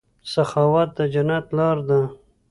سخاوت د جنت لاره ده.